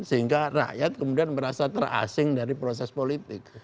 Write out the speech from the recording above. sehingga rakyat kemudian merasa terasing dari proses politik